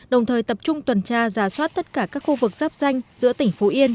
đồng thời tập trung tuần tra giả soát tất cả các khu vực giáp danh giữa tỉnh phú yên